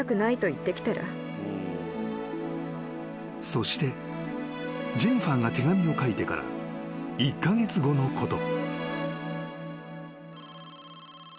［そしてジェニファーが手紙を書いてから１カ月後のこと］